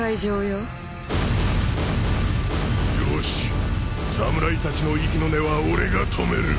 よし侍たちの息の根は俺が止める。